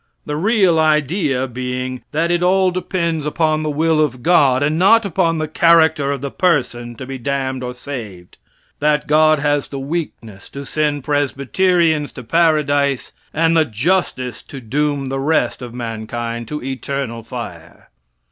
The real idea being, that it all depends upon the will of God, and not upon the character of the person to be damned or saved; that God has the weakness to send Presbyterians to Paradise, and the justice to doom the rest of mankind to eternal fire.